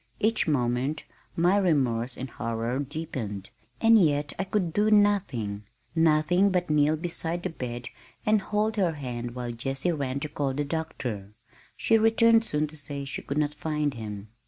Each moment my remorse and horror deepened, and yet I could do nothing, nothing but kneel beside the bed and hold her hand while Jessie ran to call the doctor. She returned soon to say she could not find him.